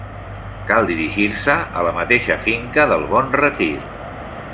Cal dirigir-se a la mateixa finca del Bon Retir.